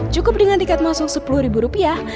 cukup dengan tiket masuk sepuluh ribu rupiah